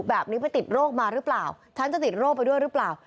แบบนี้ไปติดโรคมาหรือเปล่าฉันจะติดโรคไปด้วยหรือเปล่า